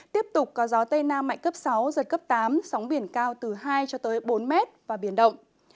tiếp tục có gió tây nam mạnh cấp sáu giật cấp tám sóng biển cao từ hai cho tới bốn mét và biển động